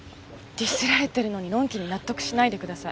ディスられてるのにのんきに納得しないでください。